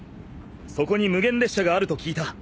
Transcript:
そこに無限列車があると聞いた。